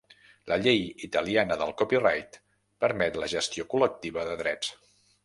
La llei italiana del copyright permet la gestió col·lectiva de drets.